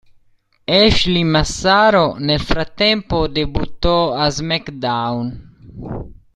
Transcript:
Ashley Massaro nel frattempo debuttò a SmackDown!